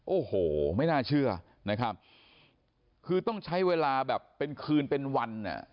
โอ้โหไม่น่าเชื่อนะครับคือต้องใช้เวลาแบบเป็นคืนเป็นวันอ่ะ